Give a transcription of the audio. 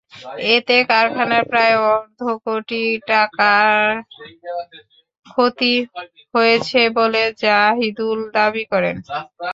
এতে কারখানার প্রায় অর্ধকোটি টাকার ক্ষতি হয়েছে বলে জাহিদুল দাবি করেন।